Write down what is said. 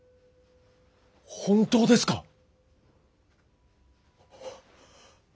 本当ですか！？